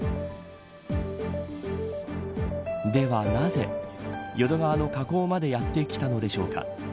ではなぜ、淀川の河口までやってきたのでしょうか。